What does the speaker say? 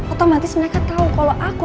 otomatis mereka tau kalo aku